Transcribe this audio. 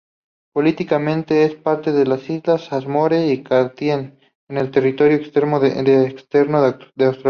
Políticamente es parte de Islas Ashmore y Cartier, un territorio externo de Australia.